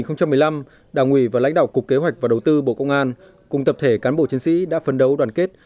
năm hai nghìn một mươi năm đảng ủy và lãnh đạo cục kế hoạch và đầu tư bộ công an cùng tập thể cán bộ chiến sĩ đã phấn đấu đoàn kết